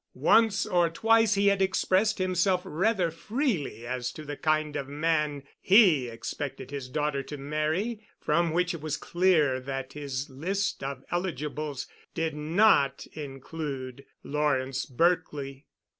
Once or twice he had expressed himself rather freely as to the kind of man he expected his daughter to marry, from which it was clear that his list of eligibles did not include Lawrence Berkely.